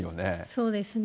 そうですね。